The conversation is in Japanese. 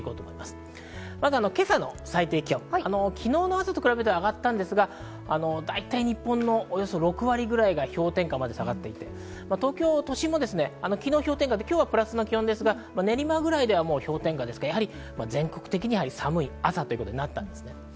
今朝の最低気温は昨日の朝と比べて上がったんですが、大体、日本のおよそ６割ぐらいが氷点下まで下がっていて、東京都心も今日はプラスの気温ですが、練馬ぐらいでは氷点下で全国的に寒い朝というふうになりました。